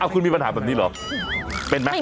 คุณมีปัญหาแบบนี้หรอไม่มี